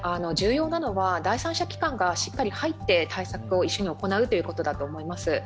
重要なのは第三者機関がしっかり入って対策を一緒に行うことだと思います。